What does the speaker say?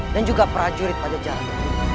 dan juga prajurit pada jalan